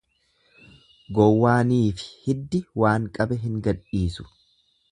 Gowwaaniifi hiddi waan qabe hin gadhiisu.